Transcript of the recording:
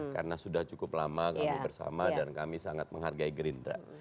karena sudah cukup lama kami bersama dan kami sangat menghargai gerindra